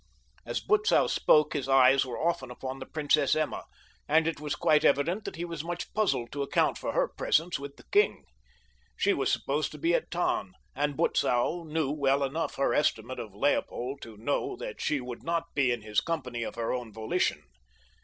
As Butzow spoke his eyes were often upon the Princess Emma, and it was quite evident that he was much puzzled to account for her presence with the king. She was supposed to be at Tann, and Butzow knew well enough her estimate of Leopold to know that she would not be in his company of her own volition.